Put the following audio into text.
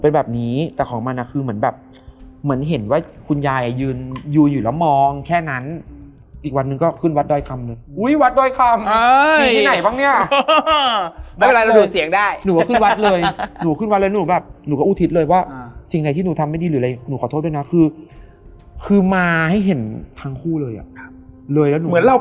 เออขอบคุณแบบพอใจในสิ่งที่นายทำให้กูละ